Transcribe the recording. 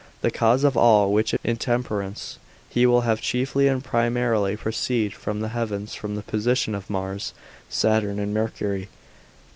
The cause of all which intemperance he will have chiefly and primarily proceed from the heavens, from the position of Mars, Saturn, and Mercury.